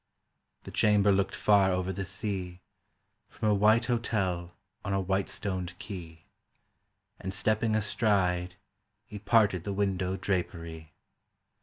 The chamber looked far over the sea From a white hotel on a white stoned quay, And stepping a stride He parted the window drapery.